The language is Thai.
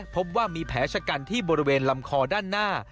พบว่ามีแผลชะกันที่บริเวณลำคอด้านหน้า